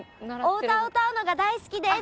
お歌を歌うのが大好きです！